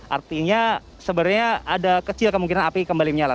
artinya sebenarnya ada kecil kemungkinan api kembali menyala